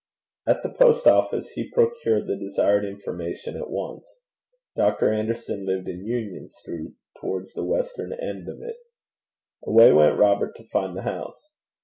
At the Post office he procured the desired information at once. Dr. Anderson lived in Union Street, towards the western end of it. Away went Robert to find the house.